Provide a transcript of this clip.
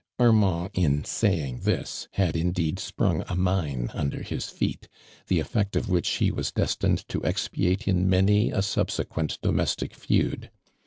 Armand, in saying this, had indeed sprung a mine under his feet, the effect of which he was destined to expiate in many a sub sequent domestic feud.